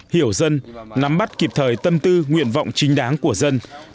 hiểu dân nắm bắt kịp thời tâm tư nguyện vọng chính đáng của dân